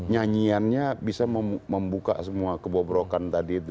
nyanyiannya bisa membuka semua kebobrokan tadi itu